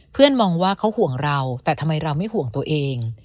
มองว่าเขาห่วงเราแต่ทำไมเราไม่ห่วงตัวเอง